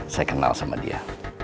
saya kenal sama dia